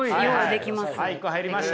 はい１個入りました。